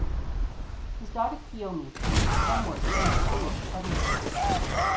His daughter Kiyomi created some works in the style of the Southern School.